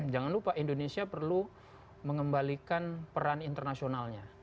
jangan lupa indonesia perlu mengembalikan peran internasionalnya